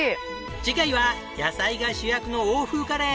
次回は野菜が主役の欧風カレー。